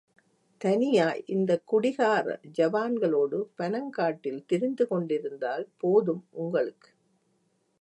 தனியாய் இந்தக் குடிகார ஜவான்களோடு பனங்காட்டில் திரிந்து கொண்டிருந்தால் போதும் உங்களுக்கு!